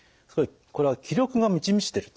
これは気力が満ち満ちてると。